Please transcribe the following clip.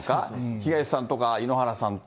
東さんとか井ノ原さんと。